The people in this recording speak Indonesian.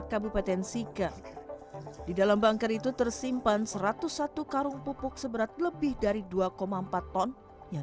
kabupaten sika di dalam bangker itu tersimpan satu ratus satu karung pupuk seberat lebih dari dua empat ton yang